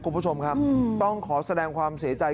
คุณผู้ชมครับต้องขอแสดงความเสียใจ